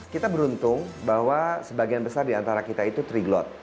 kita beruntung bahwa sebagian besar di antara kita itu triglot